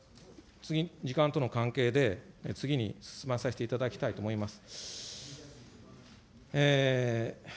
これ、次、時間との関係で、次に進まさせていただきたいと思います。